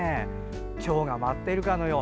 チョウが舞っているかのよう。